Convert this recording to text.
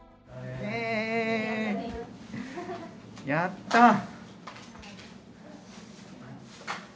やった！